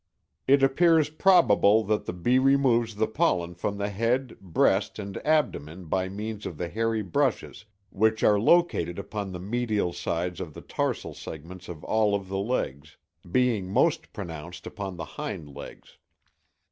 It appears probable that the bee removes the pollen from the head, breast, and abdomen by means of the hairy brushes which are located upon the medial sides of the tarsal segments of all of the legs, being most pronounced upon the hind legs.